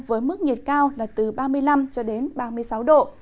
với mức nhiệt cao từ ba mươi năm ba mươi sáu độ